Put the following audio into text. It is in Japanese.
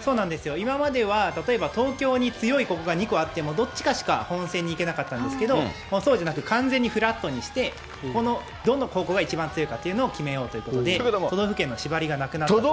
そうなんですよ、今までは例えば東京に強い高校が２校あってもどっちかしかほんせんに行けなかったんですけど、そうじゃなく、完全にフラットにして、高校が一番強いかというのを決めようということで、都道府県の縛りがなくなったという。